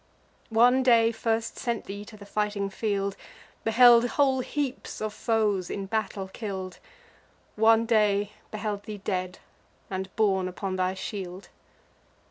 One day first sent thee to the fighting field, Beheld whole heaps of foes in battle kill'd; One day beheld thee dead, and borne upon thy shield.